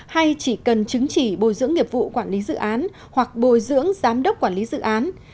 hay chỉ cần chứng chỉ bồi dưỡng nghiệp vụ quản lý dự án hoặc bồi dưỡng giám đốc quản lý dự án